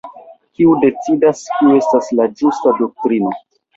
Kiu decidas kiu estas la "ĝusta" doktrino?